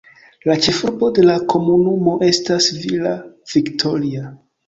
La ĉefurbo de la komunumo estas Villa Victoria.